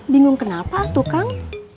bingung kenapa tuh kang